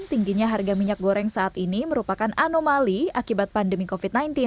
tingginya harga minyak goreng saat ini merupakan anomali akibat pandemi covid sembilan belas